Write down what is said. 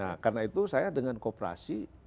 nah karena itu saya dengan kooperasi